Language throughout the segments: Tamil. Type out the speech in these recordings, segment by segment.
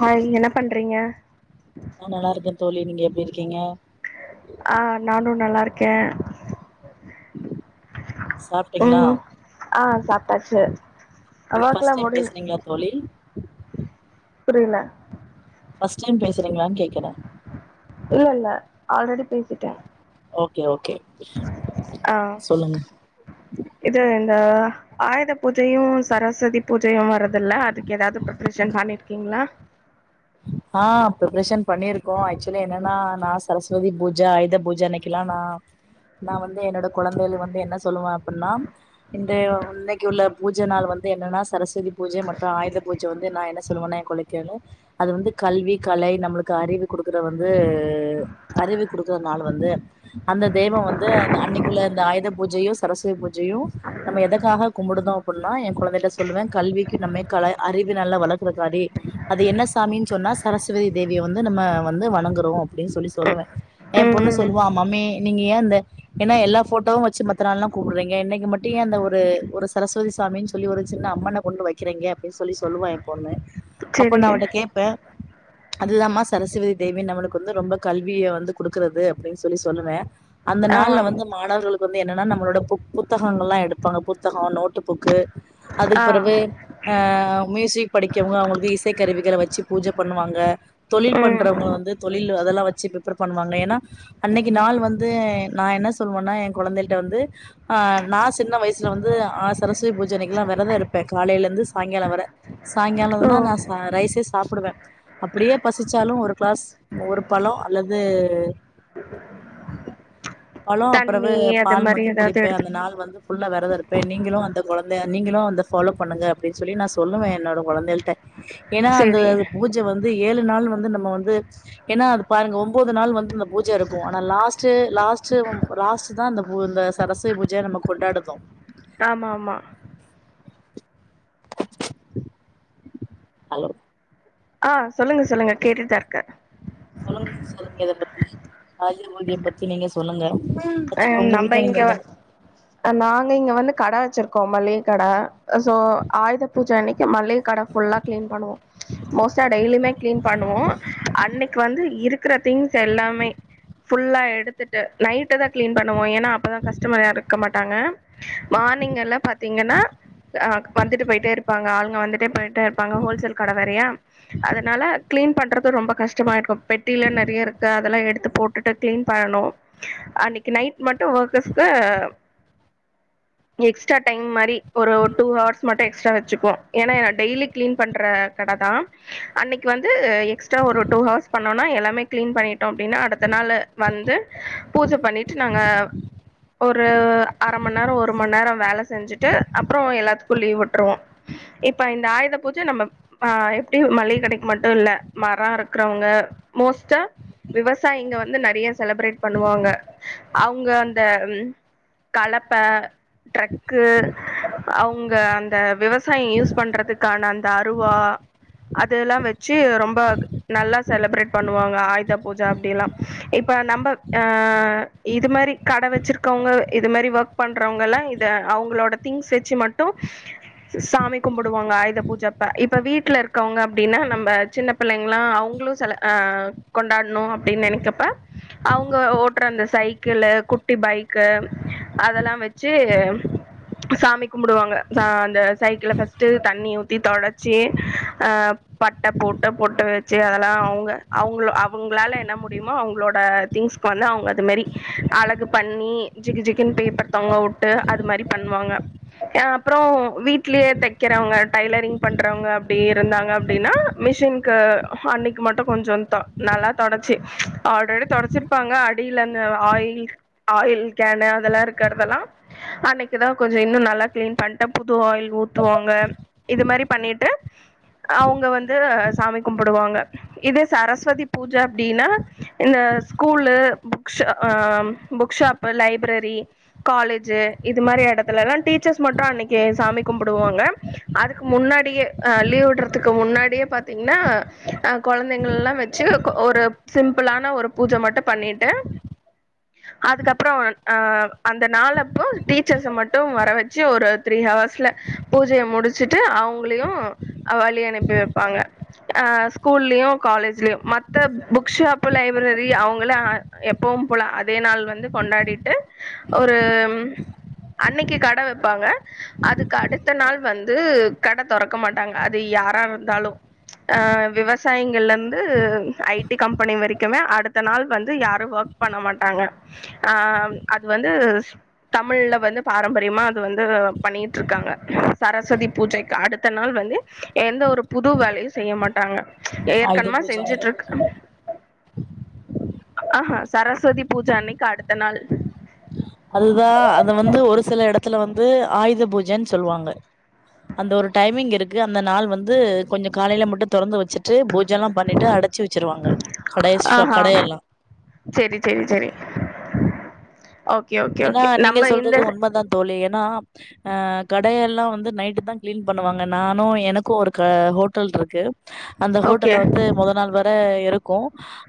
ஹாய் என்ன பண்றிங்க நல்லாருக்க தோழி நீங்க எப்டி இருக்கீங்க ஆ நானு நல்லாருக்க சாப்ட்டீங்களா ம் ஆ சாப்ட்டாச்சு நீங்க ஒர்க்லா ஃபர்ஸ்ட் டைம் முடி பேசறீங்களா தோழி புரியல ஃபர்ஸ்ட் டைம் பேசுறிங்களான் கேக்கற இல்ல இல்ல ஆல்ரெடி பேசிட்டேன் ஓகே ஓகே ஆ சொல்லுங்க இது இந்த ஆயுத பூஜையும் சரஸ்வதி பூஜையும் வருதுல்ல அதுக்கு ஏதாவது பிருப்பரேஷன் பண்ணிருக்கீங்களா ஆ ப்பிருப்பரேஷன் பண்ணியிருக்கோம் ஆக்சுவலி என்னன்னா நா சரஸ்வதி பூஜை ஆயுத பூஜை அன்னைக்கல்லாம் நா நா வந்து என்னோட கொழந்தைள் வந்து என்ன சொல்லுவ அப்டின்னா இந்த இன்னைக்கு உள்ள பூஜை நாள் வந்து என்னன்னா சரஸ்வதி பூஜை மட்டு ஆயுத பூஜை வந்து நா என்ன சொல்லுவனா என் கொழைக் கேளு அது வந்து கல்வி கலை நம்ளுக்கு அறிவு குடுக்குற வந்து அறிவு குடுக்கறனால வந்து அந்த தெவம் வந்து அன்னைக்குள்ள இந்த ஆயுத பூஜையும் சரஸ்வதி பூஜையும் நம்ம எதுக்காக கும்பிடுதோ அப்டினா என் குழந்தைகிட்ட சொல்லுவேன் கல்விக்கும் நம்மே க அறிவு நல்லா வளர்க்குறதுக்காடி அது என்ன சாமின் சொன்னா சரஸ்வதி தேவிய வந்து நம்ம வந்து வணங்குறோம் அப்டின் சொல்லி சொல்லுவேன் ஏ ம் பொண்ணு ம் சொல்லுவா மம்மி நீங்க ஏன் இந்த ஏன்னா எல்லா போட்டோவு வச்சு மத்த நாள் எல்லா கூப்பிடுறீங்க இன்னைக்கு மட்டு எ அந்த ஒரு ஒரு சரஸ்வதி சாமின்னு சொல்லி ஒரு சின்ன அம்மன ஒண்ணு வைக்கிறீங்க அப்டின் சொல்லி சொல்லுவ எ பொண்ணு அப்போ செரி நா அவட்ட கேப்ப அதுதா மா சரஸ்வதி தேவி நம்மளுக்கு வந்து ரொம்ப கல்விய வந்து கொடுக்குறது அப்டின் சொல்லி சொல்லுவ அந்த ஆ நாள்ல வந்து மாணவர்களுக்கு வந்து என்னன்னா நம்மளோட பு புத்தகங்கள் எல்லா எடுப்பாங்க புத்தகோ நோட்டு புக்கு அதுக்கு ஆ பெறவு அ மியூசிக் படிக்கவு அவங்களுக்கு இசை கருவிகள வச்சு பூஜை பண்ணுவாங்க தொழில் ம் பண்றவங்க வந்து தொழில் அதெல்லா வச்சு பிப்பர் பண்ணுவாங்க ஏன்னா அன்னைக்கு நாள் வந்து நா என்ன சொல்லுவன்னா என் கொழந்தையில்ட வந்து ஆ நா சின்ன வயசுல வந்து ஆ சரஸ்வதி பூஜ அன்னைக்கு லா வெறதோ இருப்ப காலையில இருந்து சாயங்காலோ வர சாயங்காலோ ஓ தான் நான் ச ரைஸே சாப் புடுவ அப்படியே பசிச்சாலு ஒரு கிளாஸ் மோர் பழோ அல்லது [inaudible] பழோ அப்புறவு அது பால் மாரி மட்டும் ஏதாவது குடிப்ப எடுத்து அந்த நாள் வந்து ஃபுல்லா வெரத இருப்ப நீங்களு அந்த கொழந்த நீங்களு அந்த ஃபாலோ பண்ணுங்க அப்டின் சொல்லி நா சொல்லுவேன் என்னோட கொழந்தைள்ட ஏன்னா அந்த செரி பூஜ வந்து ஏழு நாள் வந்து நம்ம வந்து ஏன்னா அது பாருங்க ஒம்போது நாள் வந்து அந்த பூஜ இருக்கு ஆனா லாஸ்டு லாஸ்டு லாஸ்ட் தா இந்த பூ இந்த சரஸ்வ பூஜைய நம்ம கொண்டடுதோ ஆமா ஆமா ஹலோ ஆ சொல்லுங்க சொல்லுங்க கேட்டுதா இருக்க சொல்லுங்க சிஸ்டர் நீங்க அத பத்தி ஆய்த பூஜைய பத் தி நீங்க சொல்லுங்க ஆக்சுலா ஒங்க நம்ம வீட்டுல நீங்க இங்க எந்த அ நாங்க இங்க வந்து கட வச்சிருக்கோம் மளிக கட. சோ ஆயுத பூஜை அன்னைக்கு மளிக கட ஃபுல்லா க்ளீன் பண்ணுவோம் மோஸ்ட்டா டெய்லியுமே கிளீன் பண்ணுவோ அன்னைக்கு வந்து இருக்கற திங்ஸ் எல்லாமே ஃபுல்லா எடுத்துட்டு நைட்டு தா கிளீன் பண்ணுவோ ஏன்னா அப்பதா கஸ்டமர் யாரு இருக்க மாட்டாங்க மானிங் எல்லா பாத்தீங்கனா அ வந்துட்டு போயிட்டே இருப்பாங்க ஆளுங்க வந்துட்டே போயிட்டே இருப்பாங்க ஹோல்சேல் கட வேறையா அதனால கிளீன் பண்றது ரொம்ப கஷ்டமாயிருக்கு பெட்டியில நறைய இருக்கு அதெல்லா எடுத்து போட்டுட்டு கிளீன் பண்ணணு அன்னிக்கு நைட் மட்டு ஒர்க்கஸ்கு எக்ஸ்ட்ரா டைம் மாரி ஒரு டூ ஹார்ஸ் மட்டும் எக்ஸ்ட்ரா வச்சுக்குவோ ஏன்னா டெய்லி கிளீன் பண்ற கட தா அன்னைக்கு வந்து எக்ஸ்ட்ரா ஒரு டூ ஹவர்ஸ் பண்ணோனா எல்லாமே கிளீன் பண்ணிட்டோ அப்படின்னா அடுத்த நாளு வந்து பூஜ பண்ணிட்டு நாங்க ஒரு அர மண் நேரம் ஒரு மண் நேரம் வேல செஞ்சுட்டு அப்புறம் எல்லாத்துக்கும் லீவு விட்டுருவோ இப்ப இந்த ஆயுத பூஜ நம்ம ஆ எப்படி மளிகை கடைக்கு மட்டும் இல்ல மரம் அறுக்குறவுங்க மோஸ்டா விவசாயிங்க வந்து நெறைய செலப்ரேட் பண்ணுவாங்க அவுங்க அந்த ம் கலப்ப ட்ரக்கு அவுங்க அந்த விவசாயம் யூஸ் பண்றதுக்கான அந்த அருவா அதுல்லா வச்சு ரொம்ப நல்லா செலப்ரேட் பண்ணுவாங்க ஆயுத பூஜ அப்படில்லா இப்ப நம்ம ஆ இது மாரி கட வச்சிருக்கவுங்க இது மாரி வொர்க் பண்றவுங்கல்லா இத அவுகளோட திங்ஸ் வச்சு மட்டும் சாமி கும்பிடுவாங்க ஆயுத பூஜ அப்ப இப்ப வீட்டுல இருக்கவுங்க அப்படின்னா நம்ம சின்ன பிள்ளைங்களா அவுங்களு சில அ கொண்டாடணு அப்படின்னு நினைக்கப்ப அவுங்க ஓட்டுற அந்த சைக்கிளு குட்டி பைக்கு அதெல்லா வச்சு சாமி கும்பிடுவாங்க அந்த சைக்கிள ஃபர்ஸ்ட்டு தண்ணி ஊத்தி தொடச்சு அ பட்ட போட்டு பொட்டு வச்சு அதெல்லா அவுங்க அவுங்கள அவுங்களால என்ன முடியுமோ அவுங்களோட திங்ஸ்க்கு வந்து அவுங்க அது மாரி அழகு பண்ணி ஜிகு ஜிகுன் பேப்பர் தொங்க உட்டு அது மாரி பண்ணுவாங்க ஏ அப்புறோ வீட்லயே தைக்கிறவுங்க டைலரிங் பண்றவுங்க அப்டியே இருந்தாங்க அப்படின்னா மிஷின்க்கு அன்னைக்கு மட்டும் கொஞ்சோ த நல்லா தொடச்சி ஆல்ரெடி தொடச்சி இருப்பாங்க அடியில அந்த ஆயில் ஆயில் கேன் அதெல்லா இருக்குறதெல்லா அன்னைக்குதா கொஞ்சோ இன்னும் நல்லா கிளீன் பண்ணிட்டு புது ஆயில் ஊத்துவாங்க இது மாரி பண்ணிட்டு அவுங்க வந்து சாமி கும்பிடுவாங்க இது சரஸ்வதி பூஜ அப்படின்னா இந்த school books book shop library college இது மாரி இடத்துலலா டீச்சர்ஸ் மட்டும் அன்னைக்கு சாமி கும்பிடுவாங்க அதுக்கு முன்னாடியே அ லீவு விடுறதுக்கு முன்னாடியே பாத்தீங்கன்னா அ கொழந்தைங்கல்லா வச்சு ஒரு சிம்பிளான ஒரு பூஜ மட்டும் பண்ணிட்டு அதுக்கப்புறம் அந்த நாள் அப்போ டீச்சர்ஸ மட்டும் வர வச்சு ஒரு த்ரீ ஹவர்ஸ்ல பூஜைய முடிச்சுட்டு அவுங்களையும் வழி அனுப்பி வைப்பாங்க ஆ ஸ்கூல்லயும் காலேஜ்லயும் மத்த புக் ஷாப் ல பிப்ரரி அவுங்கல்லா எப்பவும் போல அதே நாள் வந்து கொண்டாடிட்டு ஒரு ம் அன்னைக்கு கடை வப்பாங்க அதுக்கு அடுத்த நாள் வந்து கட தொறக்க மாட்டாங்க அது யாரா இருந்தாலும் ஆ விவசாயிங்கள்ல இருந்து ஐடி கம்பெனி வரைக்கு குமே அடுத்த நாள் வந்து யாரும் வொர்க் பண்ண மாட்டாங்க அ அது வந்து தமிழ்ல வந்து பாரம்பரியமா அது வந்து பண்ணிட்டு இருக்காங்க சரஸ்வதி பூஜைக்கு அடுத்த நாள் வந்து எந்த ஒரு புது வேலையும் செய்ய மாட்டாங்க ஆயுத ஏற்கனமா பூஜ செஞ்சுட்டு அன்னைக்கி இருக் ஆ ஹா சரஸ்வதி பூஜ அன்னைக்கு அடுத்த நாள் அதுதா அத வந்து ஒரு சில இடத்துல வந்து ஆய்த பூஜன் சொல்லுவாங்க அந்த ஒரு டைமிங் இருக்கு அந்த நாள் வந்து கொஞ்சோ காலையில மட்டும் தொறந்து வச்சுட்டு பூஜல்லா பண்ணிட்டு அடுத் வச்சு வச்சிருவாங்க கடை ஷாப் கடையெல்லா செரி செரி செரி ஓக் ஏனா நீங்க சொல்றது உண்மதா தோழி ஏனா அ கடையெல்லா வந்து நைட்டு்தான் கிளீன் பண்ணுவாங்க நானு எனக்கு ஒரு ஹோட்டல் இருக்கு அந்த ஓகே ஹோட்டல்ல வந்து மொத நாள் வர இருக்கு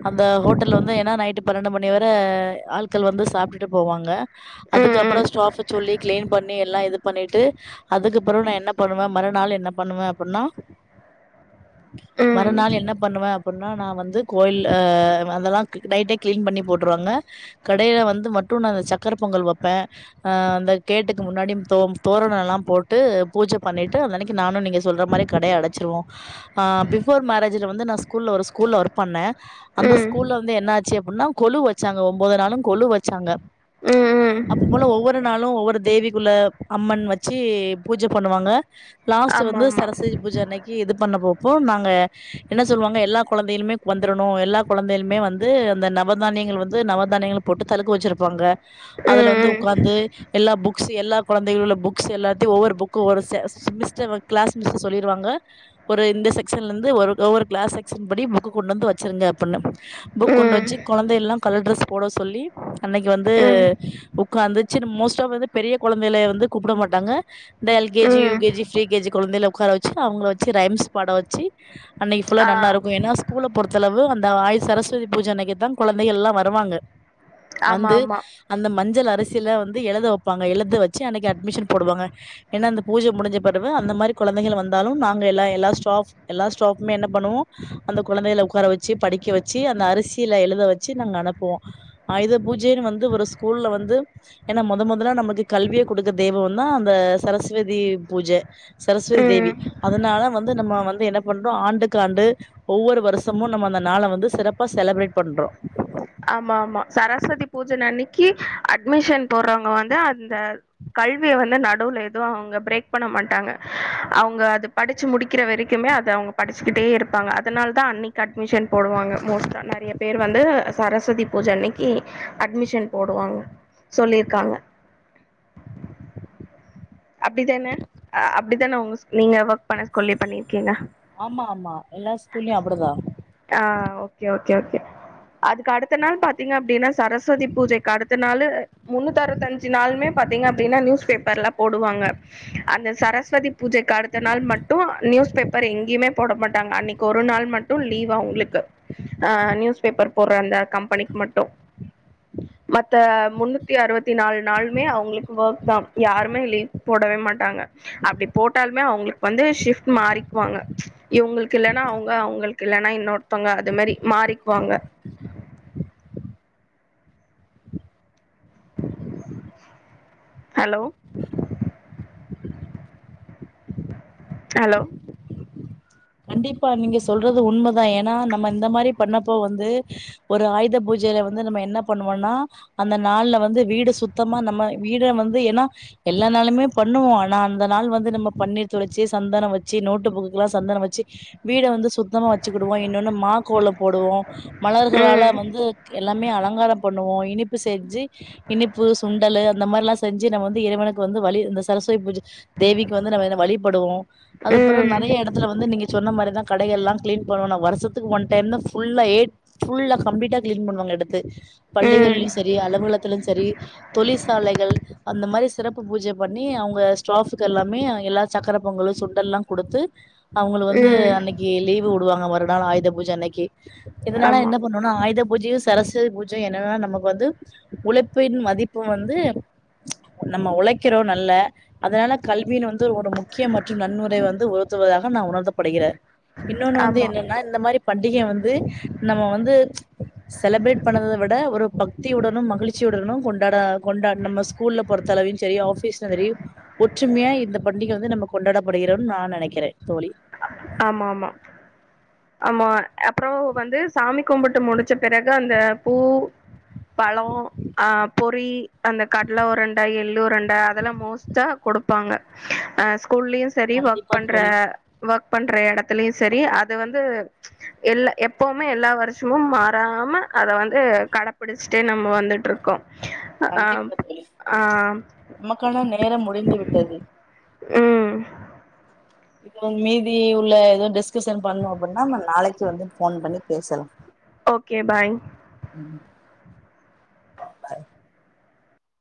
அந்த ஹோட்டல்ல வந்து ஏனா நைட்டு பன்னெண்டு மணி வர ஆட்கள் வந்து சாப்ட்டுட்டு போவாங்க ம் அதுக்கப்றோ ம் ஸ்டாஃப் சொல்லி கிளீன் பண்ணி எல்லா இது பண்ணிட்டு அதுக்கப்பிறவு நா என்ன பண்ணுவ மறுநாள் என்ன பண்ணுவ அப்டினா ம் மறுநாள் என்ன பண்ணுவ அப்பனா நா வந்து கோயில் அதெல்லா நைட்டே கிளீன் பண்ணி போட்டுருவாங்க கடைல வந்து மட்டு உணவு சக்கர பொங்கல் வெப்ப அ அந்த கேட்டுக்கு முன்னாடி தோ தோரோணொல்லா போட்டு பூஜ பண்ணிட்டு அந்தன்னைக்கு நானு நீங்க சொல்ற மாரி கடைய அடச்சிருவோ ஆ பிஃபோர் மேரேஜ்ல வந்து நா ஸ்கூல ஒரு ஸ்கூல்ல ஒர்க் பண்ண அந்த ம் ஸ்கூல்ல வந்து என்ன ஆச்சு அப்டினா கொலு வெச்சாங்க ஒன்பது நாளு கொளு வெச்சாங்க ம் ம் அப்பன் போல ஒவ்வொரு நாளு ஒவ்வொரு தேவிக்குள்ள அம்மன் வெச்சு பூஜ பண்ணுவாங்க லாஸ்ட் ஆமா வந்து ஆமா ம் சரஸ்வதி பூஜ அன்னைக்கு இது பண்ணப்போபோ நாங்க என்ன சொல்லுவாங்க எல்லா கொழந்தைங்ளுமே வந்துரணு எல்லா கொழந்தைங்ளுமே வந்து அந்த நவதானியங்கள் வந்து நவதானியங்கள் போட்டு தலுக்கு வெச்சிருப்பாங்க அதுல வந்து ம் உக்காந்து எல்லா புக்ஸ் எல்லா கொழந்தைகளோ உள்ள புக்ஸ் எல்லாத்தையு ஒவ்வொரு புக்கு ஒரு செ ஸ் மிஸ்டர் கிளாஸ் மிஸ்ட்ட சொல்லிருவாங்க ஒரு இந்த செக்ஷன்ல இருந்து ஒரு ஒவ்வொரு கிளாஸ் செக்ஷன் படி புக் கொண்டு வந்து வெச்சுருங்க பண்ணு புக் கொண்டு ம் வெச்சு கொழந்தயல்லா கலர் ட்ரஸ் போட சொல்லி அன்னைக்கு வந்து ம் உக்காந்துச்சு மோஸ்ட் ஆஃப் வந்து பெரிய கொழந்தைய வந்து கூப்ட மாட்டாங்க இந்த எல் கே ஜி, யு ம் K G, pre K G கொழந்தையில உக்கார வெச்சு அவுங்கள வெச்சு ரைம்ஸ் பாட வெச்சு அன்னைக்கு ஃபுல்லா ஆ நல்லா இருக்கு எனா ஸ் கூல பொறுத்தளவு அந்த ஆயு சரஸ்வதி பூஜ அன்னைக்குதான் கொழந்தைகள் எல்லா வருவாங்க ஆமா வந்து ஆமா அந்த மஞ்சள் அரிசில வந்து எழுத வெப்பாங்க எழுத வெச்சு அன்னைக்கு அட்மிஷன் போடுவாங்க ஏனா அந்த பூஜ முடிஞ்ச பிறவு அந்த மாரி கொழந்தைகள் வந்தாலு நாங்க எல்லா எல்லா ஸ்டாஃப் எல்லா ஸ்டாஃப்மே என்ன பண்ணுவோ அந்த கொழந்தைகள உக்கார வெச்சு படிக்க வெச்சு அந்த அரிசில எழுத வெ ச்சு நாங்க அனுப்புவோ ஆயுத பூஜைன்னு வந்து ஒரு ஸ்கூல்ல வந்து ஏனா மொத மொதலா நமக்கு கல்வியை குடுக்க தெய்வந்தா அந்த சரஸ்வதி பூஜ சரஸ்வதி தேவி ம் அதனால வந்து நம்ம வந்து என்ன பண்றோ ஆண்டுக்கு ஆண்டு ஒவ்வொரு வருஷமு நம்ம அந்த நாள வந்து சிறப்பா செலப்ரேட் பண்றோ ஆமாமா சரஸ்வதி பூஜ அன்னைக்கு அட்மிஷன் போடுறவங்க வந்து அந்த கல்விய வந்து நடுவுல எதுவு அவுங்க பிரேக் பண்ண மாட்டாங்க அவுங்க அது படிச்சு முடிக்கிற வெரைக்குமே அத அவுங்க படிச்சுகிட்டே இருப்பாங்க அதனாலதா அன்னைக்கு அட்மிஷன் போடுவாங்க மோஸ்ட்டா நெறைய பேர் வந்து சரஸ்வதி பூஜ அன்னைக்கு அட்மிஷன் போடுவாங்க சொல்லியிருக்காங்க அப்டிதான அப்டிதான உங்க நீங்க ஒர்க் பண்ண ஸ்கூல்லயு பண்ணிருக்கீங்க ஆமாமா எல்லா ஸ்கூல்லயு அப்டிதா ஆ ஓகே ஓகே ஓகே அதுக்கு அடுத்த நாள் பாத்தீங்க அப்டினா சரஸ்வதி பூஜைக்கு அடுத்த நாளு முன்னூத்து அறுவத்தஞ்சு நாள்மே பாத்தீங்க அப்டினா நியூஸ் பேப்பர்ல போடுவாங்க அந்த சரஸ்வதி பூஜைக்கு அடுத்த நாள் மட்டு நியூஸ் பேப்பர் எங்யுமே போட மாட்டாங்க அன்னைக்கு ஒரு நாள் மட்டு லீவு அவுங்களுக்கு ஆ நியூஸ் பேப்பர் போடுற அந்த கம்பெனிக்கு மட்டு மத்த முன்னூத்தி அறுவத்தி நாள் நாள்மே அவுங்களுக்கு ஒர்க்தா யாரு மே லீவ் போடவே மாட்டாங்க அப்டி போட்டாலுமே அவுங்களுக்கு வந்து ஷிஃப்ட் மாறிக்குவாங்க இவங்களுக்கு இல்லனா அவுங்க அவுங்களுக்கு இல்லனா இன்னொருத்தவங்க அது மாறி மாறிக்குவாங்க ஹலோ ஹலோ கண்டிப்பா நீங்க சொல்றது உண்மதா ஏனா நம்ம இந்த மாரி பண்ணப்பொ வந்து ஒரு ஆயுத பூஜைல வந்து நம்ம என்ன பண்ணுவொன்னா அந்த நாள்ல வந்து வீடு சுத்தமா நம்ம வீட வந்து எனா எல்லா நாளுமே பண்ணுவோ ஆனா அந்த நாள் வந்து நம்ம பன்னீர் தொளிச்சி சந்தனொ வச்சி நோட்டு புக்குக்குலா சந்தனொ வச்சி வீட வந்து சு சுத்தமா வச்சுக்குடுவோ இன்னொன்னு மா கோலப் போடுவோம் மலர்களால ம் வந்து எல்லாமே அலங்கார பண்ணுவோ இனிப்பு செஞ்சி இனிப்பு சுண்டலு அந்த மாரிலா செஞ்சி நம்ம வந்து இறைவனுக்கு வந்து வழி இந்த சரஸ்வதி பூஜ தேவிக்கு வந்து நம்ம இத வழிபடுவோ அதப்பறோ ம் நெறைய எடத்துல வந்து நீங்க சொன்ன மாரிதா கடை எல்லா கிளீன் பண்ணோனு வருஷத்துக்கு ஒன் டைம்தா ஃபுல்லா ஏ ஃபுல்லா கம்ப்ளீட்டா கிளீன் பண்ணுவாங்க எடுத்து ம் பள்ளிகள்லயு சரி அலுவலத்துலயு சரி தொழிற்சாலைகள் அந்த மாரி சிறப்பு பூஜை பண்ணி அவங்க ஸ்டாஃபுக்கெல்லாமே எல்லா சக்கர பொங்கலு சுண்டல்லா குடுத்து அவுங்கள வந்து ம் அன்னைக்கி லீவு உடுவாங்க மறுநாள் ஆயுத பூஜ அன்னைக்கி இதனால ஆமா என்ன பண் இன்னொன்னு ஆயுத பூஜையு சரஸ்வதி பூஜையு என்னன்னா நமக்கு வந்து உழைப்பின் மதிப்பு வந்து நம்ம உழைக்கிறோ நல்ல அதனால கல்வீன் வந்த் து ஒரு முக்கிய மற்றும் நன்முறை வந்து உறுத்துவதாக நா உணர்த்தப்படுகிறே இன்னொன்னு வந்து ஆமா என்னன்னா இந்த மாரி பண்டிகை வந்து நம்ம வந்து செலப்ரேட் பண்ணத விட ஒரு பக்தியுடனு மகிழ்ச்சியுடனு கொண்டாட கொண்டாட் நம்மஸ் ஸ்கூல்ல பொறுத்தளவையு சரி ஆபீஸ்ல தரீவ் ஒற்றுமையா இந்த பண்டிகை வந்து நம்ம கொண்டாடப்படுகிறோன் நா நெனைக்கிறே தோழி ஆமா ஆமா ஆமா அப்றோ வந்து சாமி கும்புட்டு முடிச்ச பிறகு அந்த பூ பழோ ஆஹ் பொறி அந்த கட்ல உருண்ட எள்ளுருண்ட அதெல்லா மோஸ்ட்டா கொடுப்பாங்க ஆ ஸ்கூல்லயு சரி ஒர்க் கண்டிப்பா பண்ற தோழி ஒர்க் பண்ற எடத்துலயு சரி அத வந்து எல்ல எப்பவுமே எல்லா வருஷமு மாறாம அத வந்து கடப்பிடிச்ட்டே நம்ம வந்துட்ருக்கோ ய கண்டிப்பா தோழ நமக்கான நேரம் முடிந்து விட்டது உம் மீதி உள்ள எது டிஸ் துஸன் பண்ணு அப்புட்னா நம்ம நாளைக்கு வந்து போன் பண்ணி பேசலா ஓகே பாய்